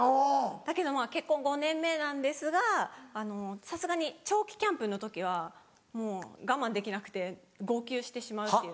だけど結婚５年目なんですがさすがに長期キャンプの時はもう我慢できなくて号泣してしまうっていう。